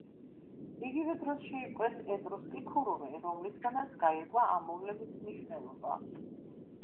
იგივე დროს შეიპყრეს ეტრუსკი ქურუმი, რომლისგანაც გაირკვა ამ მოვლენის მნიშვნელობა.